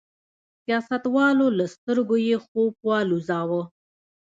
سیاستوالو له سترګو یې خوب والوځاوه.